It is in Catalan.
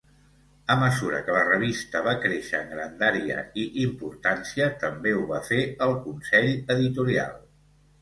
A mesura que la revista va créixer en grandària i importància, també ho va fer el Consell editorial.